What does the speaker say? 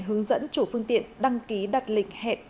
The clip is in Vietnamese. hướng dẫn chủ phương tiện đăng ký đặt lịch hẹn